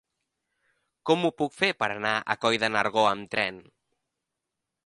Com ho puc fer per anar a Coll de Nargó amb tren?